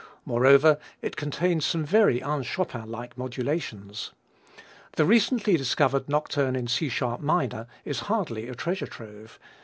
Moreover, it contains some very un Chopin like modulations. The recently discovered nocturne in C sharp minor is hardly a treasure trove.